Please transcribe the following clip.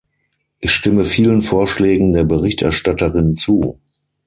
Ich stimme vielen Vorschlägen der Berichterstatterin zu.